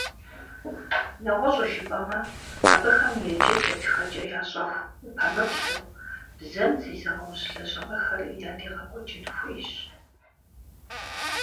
Нэгъуэщӏу жыпӏэмэ, абыхэм еджэкӏэ-тхэкӏэ ящӏэху упэмыплъэу, бзэм зезыгъэужь лэжьыгъэхэр ядегъэкӏуэкӏын хуейщ.